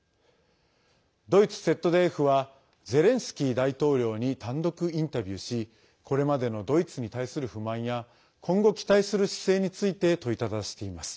ドイツＺＤＦはゼレンスキー大統領に単独インタビューしこれまでのドイツに対する不満や今後、期待する姿勢について問いただしています。